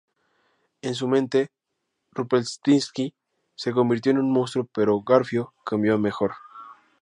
En su mente, Rumplestiltskin se convirtió en un monstruo, pero Garfio cambió a mejor.